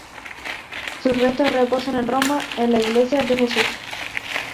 Sus restos reposan en Roma en la Iglesia del Gesù.